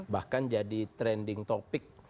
bahkan jadi trending topic